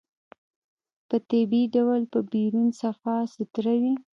په طبيعي ډول به بيرون صفا سوتره وي.